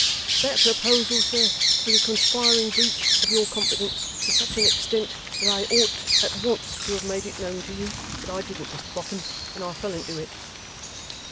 'That proposal, sir, was a conspiring breach of your confidence, to such an extent, that I ought at once to have made it known to you. But I didn't, Mr Boffin, and I fell into it.